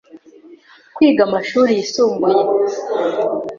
kwiga amashuri yisumbuye,